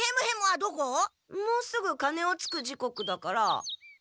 もうすぐカネをつく時刻だから。